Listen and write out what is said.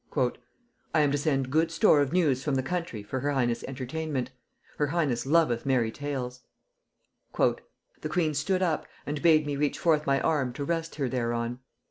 [Note 129: See Nugæ Antiquæ.] ..."I am to send good store of news from the country for her highness entertainment.... Her highness loveth merry tales." "The queen stood up and bade me reach forth my arm to rest her thereon.